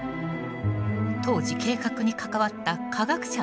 当時計画に関わった科学者の一人。